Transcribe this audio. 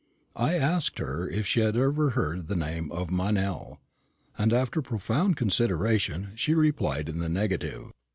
I asked her if she had ever heard the name of Meynell; and after profound consideration she replied in the negative.